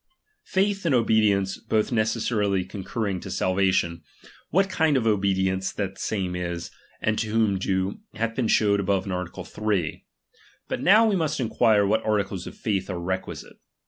Faith and obedience both necessarily con curring to salvation, what kind of obedience that same is, and to whom due, hath been showed above in art. 3. But now we must enquire what articles of faith are requisite.